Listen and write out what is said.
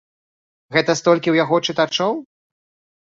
Гэта столькі ў яго чытачоў?